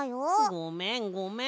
ごめんごめん！